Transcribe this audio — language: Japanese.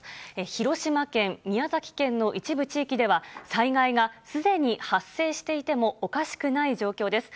広島県、宮崎県の一部地域では、災害がすでに発生していてもおかしくない状況です。